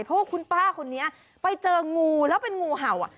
เพราะว่าคุณป้าคนนี้ไปเจองูแล้วเป็นงูเห่าอ่ะ